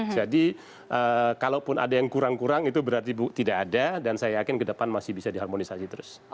kalaupun ada yang kurang kurang itu berarti tidak ada dan saya yakin ke depan masih bisa diharmonisasi terus